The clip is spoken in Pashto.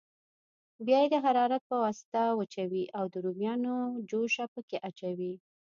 بیا یې د حرارت په واسطه وچوي او د رومیانو جوشه پکې اچوي.